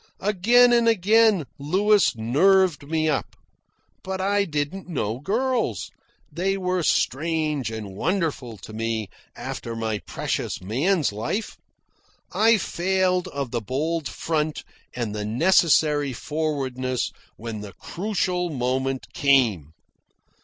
Again and again Louis nerved me up. But I didn't know girls. They were strange and wonderful to me after my precocious man's life. I failed of the bold front and the necessary forwardness when the crucial moment came.